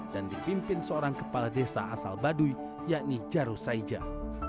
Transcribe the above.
dan dipimpin seorang kepala desa asal baduy yakni jaruh saijah